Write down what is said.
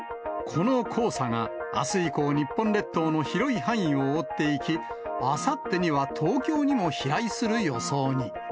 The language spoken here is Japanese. この黄砂が、あす以降、日本列島の広い範囲を覆っていき、あさってには東京にも飛来する予想に。